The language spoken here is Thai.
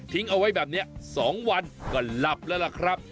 ทิ้งเอาไว้แบบนี้๒วันก็หลับแล้วครับ